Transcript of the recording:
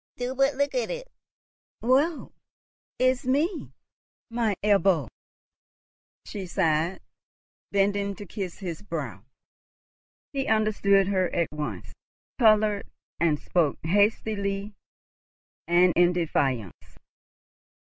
Do but look at it." "Woe is me, my Ebbo!" she sighed, bending to kiss his brow. He understood her at once, coloured, and spoke hastily and in defiance.